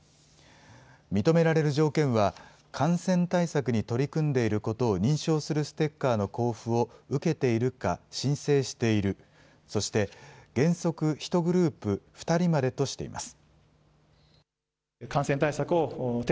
認められる条件は、感染対策に取り組んでいることを認証するステッカーの交付を受けているか、申請している、そして、原則１グループ２人までとしています。